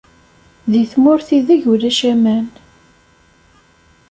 Di tmurt ideg ulac aman.